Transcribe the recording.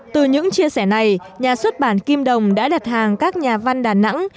từ những chia sẻ này nhà xuất bản kim đồng đã đặt hàng các nhà văn đà nẵng